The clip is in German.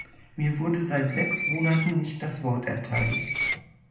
Mir wurde seit sechs Monaten nicht das Wort erteilt.